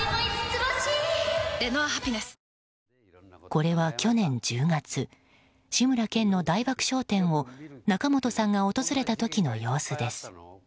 これは去年１０月志村けんの大爆笑展を仲本さんが訪れた時の様子です。